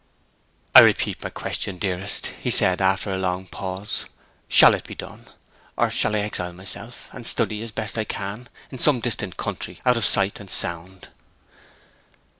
'I repeat my question, dearest,' he said, after her long pause. 'Shall it be done? Or shall I exile myself, and study as best I can, in some distant country, out of sight and sound?'